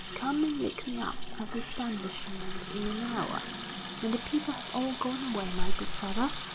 Come and look me up at the establishment in an hour, when the people have all gone away, my good father.